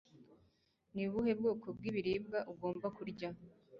ni ubuhe bwoko bw'ibiribwa ugomba kurya